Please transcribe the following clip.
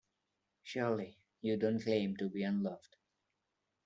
Surely you don't claim to be unloved!